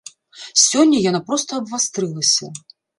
Сёння яна проста абвастрылася.